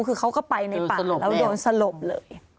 คือเขาก็ไปในป่าแล้วโดนสลบเลย